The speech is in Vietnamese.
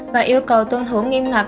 và yêu cầu tuân thủ nghiêm ngặt